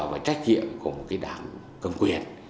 và trách nhiệm của một cái đảng cầm quyền